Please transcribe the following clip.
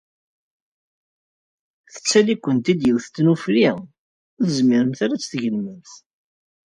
Tettali-kent-id yiwet n tnufli ur tezmiremt ara ad d-tgelmemt.